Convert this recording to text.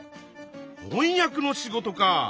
翻訳の仕事か。